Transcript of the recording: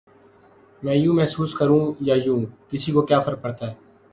میں یوں محسوس کروں یا یوں، کسی کو کیا فرق پڑتا ہے؟